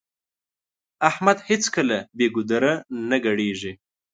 احمد هيڅکله بې ګودره نه ګډېږي.